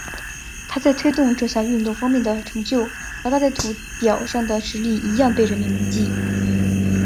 他在推动这项运动方面的成就和他在土俵上的实力一样被人们铭记。